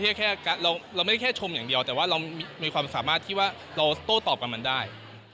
แค่เราไม่ได้แค่ชมอย่างเดียวแต่ว่าเรามีความสามารถที่ว่าเราโต้ตอบกับมันได้